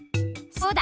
そうだ！